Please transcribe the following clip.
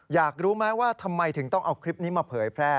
อยากรู้ไหมว่าทำไมถึงต้องเอาคลิปนี้มาเผยแพร่